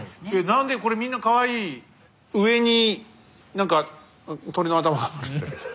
何でこれみんなかわいい上に何か鳥の頭が。